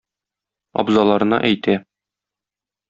Абзаларына әйтә